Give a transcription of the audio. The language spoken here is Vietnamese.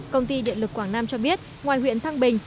công ty điện lực quảng nam cho biết ngoài huyện thăng bình